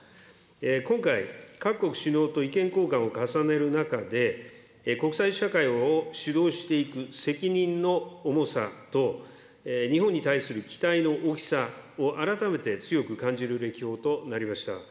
今回、各国首脳と意見交換を重ねる中で、国際社会を主導していく責任の重さと、日本における期待の大きさを改めて強く感じる歴訪となりました。